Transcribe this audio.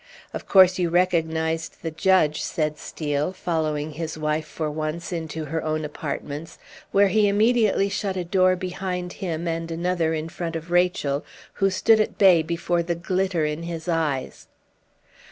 "Of course you recognized the judge?" said Steel, following his wife for once into her own apartments, where he immediately shut a door behind him and another in front of Rachel, who stood at bay before the glitter in his eyes.